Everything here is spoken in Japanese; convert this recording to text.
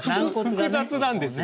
複雑なんですよね。